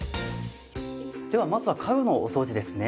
ではまずは家具のお掃除ですね。